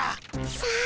さあ